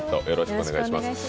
よろしくお願いします。